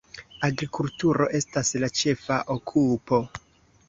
Agrikulturo estas la ĉefa okupo.